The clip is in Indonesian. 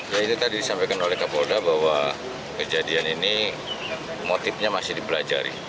ya itu tadi disampaikan oleh kapolda bahwa kejadian ini motifnya masih dipelajari